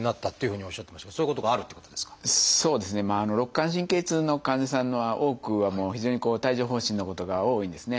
肋間神経痛の患者さんの多くは非常に帯状疱疹のことが多いんですね。